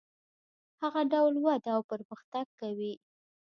هغه ډول وده او پرمختګ کوي.